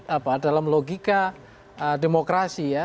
apa dalam logika demokrasi ya